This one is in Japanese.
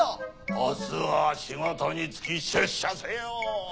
明日は仕事につき出社せよ。